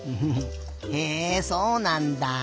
へえそうなんだ。